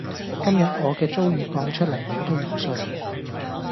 今日我嘅遭遇講出嚟你都唔信